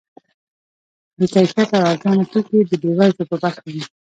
بې کیفیته او ارزانه توکي د بې وزلو په برخه وي.